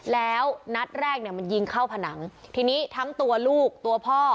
แล้วนัดแรกเนี่ยมันยิงเข้าผนังทีนี้ทั้งตัวลูกตัวพ่อ